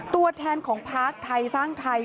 ตัวแทนของพักไทยสร้างไทย